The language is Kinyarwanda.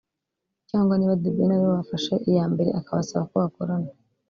cyangwa niba The Ben ariwe wafashe iya mbere akabasaba ko bakorana